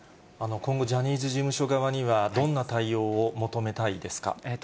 今後、ジャニーズ事務所側にはどんな対応を求めたいですか。